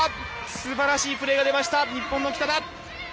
すばらしいプレーが出ました日本の北田。